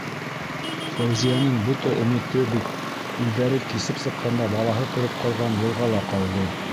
Фәүзиәнең бөтә өмөтө бит үҙҙәре кисеп сыҡҡанда балаһы тороп ҡалған йылғала ҡалды.